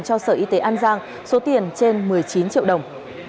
cho sở y tế an giang số tiền trên một mươi chín triệu đồng